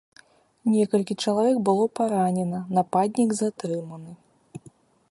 Некалькі чалавек было паранена, нападнік затрыманы.